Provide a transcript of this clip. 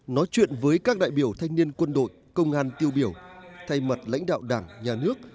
nói chuyện với các đại biểu thanh niên quân đội công an tiêu biểu thay mặt lãnh đạo đảng nhà nước